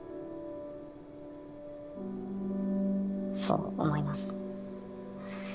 そう思います。